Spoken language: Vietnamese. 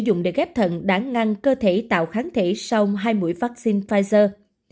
dụng để ghép thận đã ngăn cơ thể tạo kháng thể sau hai mũi vaccine pfizer